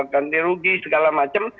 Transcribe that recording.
ganti rugi segala macam